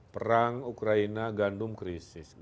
perang ukraina gandum krisis